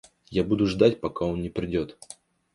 Я буду ждать пока он не придёт.